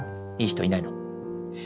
いい人いないの？